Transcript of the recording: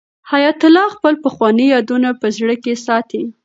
حیات الله خپل پخواني یادونه په زړه کې ساتي.